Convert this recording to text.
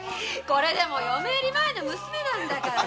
これでも嫁入り前の娘なんだから。